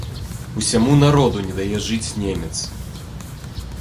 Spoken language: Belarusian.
Усяму народу не дае жыць немец.